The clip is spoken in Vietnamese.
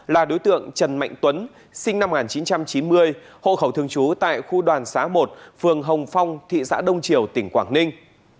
là đối tượng trần mạnh tuấn sinh năm một nghìn chín trăm chín mươi hộ khẩu thường trú tại khu đoàn xá một phường hồng phong thị xã đông triều tỉnh quảng ninh